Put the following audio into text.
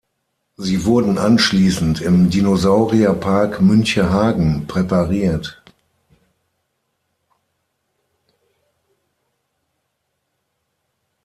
Sie wurden anschließend im Dinosaurier-Park Münchehagen präpariert.